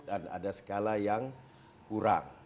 dan ada skala yang kurang